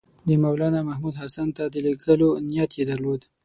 د مولنامحمود حسن ته د لېږلو نیت یې درلود.